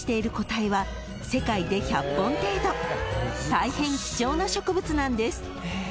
［大変貴重な植物なんです］